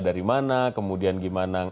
dari mana kemudian gimana